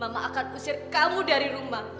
mamaku akan usir kamu dari rumah